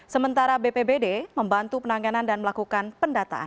sementara bpbd membantu penanganan dan melakukan pendataan